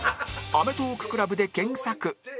「アメトーーク ＣＬＵＢ」で検索！